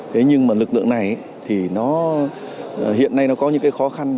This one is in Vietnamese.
thế nhưng mà lực lượng này thì nó hiện nay nó có những cái khó khăn